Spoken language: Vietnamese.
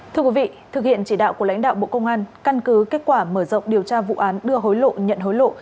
thưa quý vị thực hiện chỉ đạo của lãnh đạo bộ công an căn cứ kết quả mở rộng điều tra vụ án đưa hối lộ nhận hối lộ